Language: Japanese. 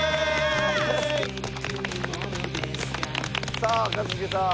さあ一茂さん。